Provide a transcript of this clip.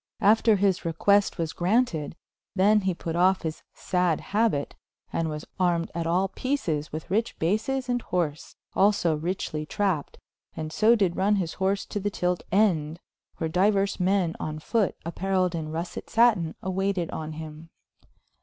After his request was graunted, then he put off hys sayd habyte and was armed at all peces with ryche bases & horse, also rychely trapped, and so did runne his horse to the tylte end, where dieurs men on fote appareiled in Russet satyn awaited on him.